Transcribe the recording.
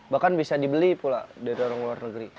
bahkan bisa dibeli pula dari orang luar negeri